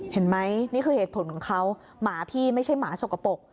เห็นไหมนี่คือเหตุผลของเขาหมาพี่ไม่ใช่หมาสกปรก